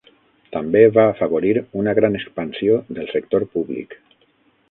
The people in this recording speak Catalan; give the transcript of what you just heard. També va afavorir una gran expansió del sector públic.